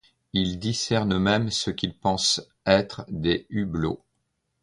Il discerne même ce qu'il pense être des hublots.